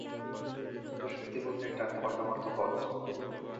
ওটা সত্যি বলতে একটা কর্দমাক্ত গর্ত।